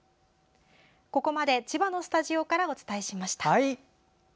ここまで千葉のスタジオからお伝えしました。